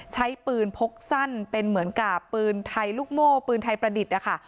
ใช้ปืนพกสั้นเป็นเหมือนกับปืนไทยลูกโม่ปืนไทยประดิษฐ์นะคะ